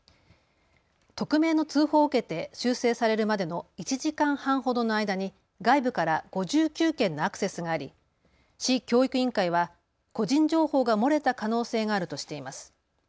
匿名の通報を受けて修正されるまでの１時間半ほどの間に外部から５９件のアクセスがあり市教育委員会は個人情報が漏れた可能性があるとしています。